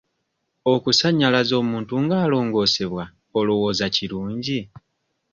Okusannyalaza omuntu nga alongoosebwa olowooza kirungi?